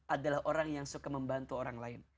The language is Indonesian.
adalah orang yang suka membantu orang lain